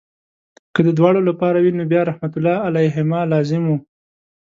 که د دواړو لپاره وي نو بیا رحمت الله علیهما لازم وو.